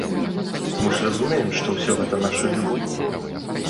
Мы ж разумеем, што ўсё гэта нашы людзі.